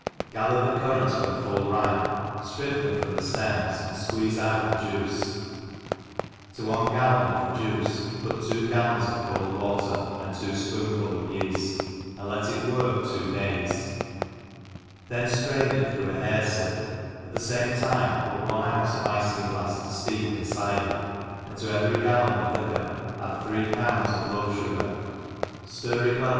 GATHER the currants when full ripe, drip them from the ftems, and fqueeze out the juicei to one gallon of the juice put two gallons of cold water, and two fpoonfuls of yeft, and let it work two days, then ftrain it through a hair iieve, at the fame time put one ounce of ifing glafs to fteep in cyder, and to every gallon of li quor add three pounds of loaf fugar, ftir it well